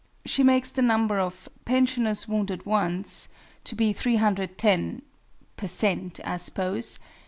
She makes the number of "pensioners wounded once" to be 310 ("per cent.," I suppose!)